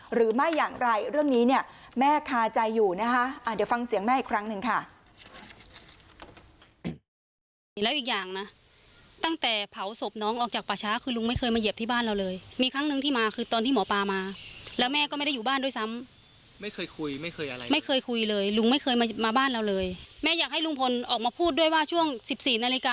หรือไม่อย่างไรเรื่องนี้เนี่ยแม่คาใจอยู่นะคะเดี๋ยวฟังเสียงแม่อีกครั้งหนึ่งค่ะ